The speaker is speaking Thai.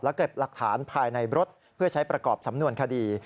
เก็บหลักฐานภายในรถเพื่อใช้ประกอบสำนวนคดี